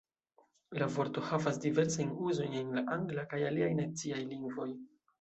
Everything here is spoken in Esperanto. La vorto havas diversajn uzojn en la angla kaj aliaj naciaj lingvoj.